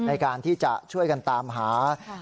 ในการที่จะช่วยกันตามหา